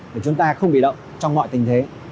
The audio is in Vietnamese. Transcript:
để chúng ta không bị động trong mọi tình thế